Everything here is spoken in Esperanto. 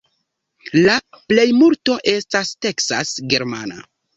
La plejmulto estas teksas-germana.